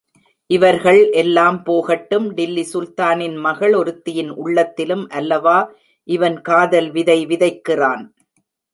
இவர்கள் எல்லாம் போகட்டும் டில்லி சுல்தானின் மகள் ஒருத்தியின் உள்ளத்திலும் அல்லவா இவன் காதல் விதை விதைக்கிறான்!